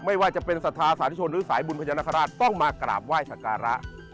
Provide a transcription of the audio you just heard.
ไม่ว่าจะเป็นศรัทธาสาธุชนหรือสายบุญพญานาคาราชต้องมากราบไหว้สักการะ